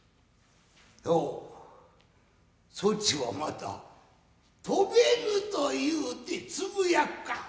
おうそちはまた飛べぬというてつぶやくか。